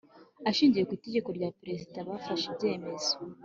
ashingiye ku itegeko rya perezida bafashe ibyemezo